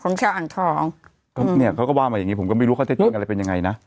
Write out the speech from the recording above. ของชาวอังทองเนี่ยเขาก็ว่ามาอย่างงี้ผมก็ไม่รู้เขาได้เจ็บอะไรเป็นยังไงน่ะ